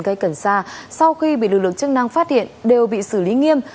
cây cẩn xa sau khi bị lực lượng chức năng phát hiện đều bị xử lý nghiêm